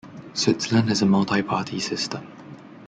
Switzerland has a multi-party system.